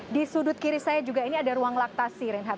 di sudut kiri saya juga ini ada ruang laktasi reinhard